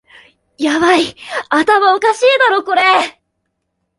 ヤバい、頭おかしいだろこれ